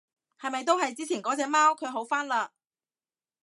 係咪都係之前嗰隻貓？佢好返嘞？